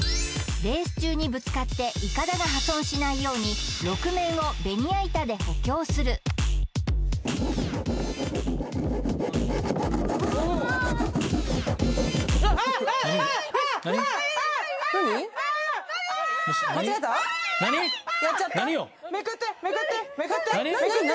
レース中にぶつかっていかだが破損しないように６面をベニヤ板で補強するなに？